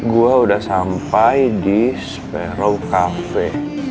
gue udah sampai di sparrow cafe